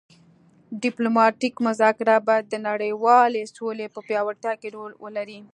ډیپلوماتیک مذاکرات باید د نړیوالې سولې په پیاوړتیا کې رول ولري